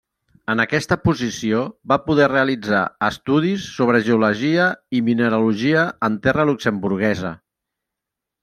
En aquesta posició va poder realitzar estudis sobre geologia i mineralogia en terra luxemburguesa.